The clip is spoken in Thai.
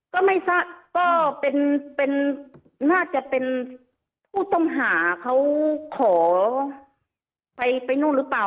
ก็ไม่ทราบก็เป็นน่าจะเป็นผู้ต้องหาเขาขอไปนู่นหรือเปล่า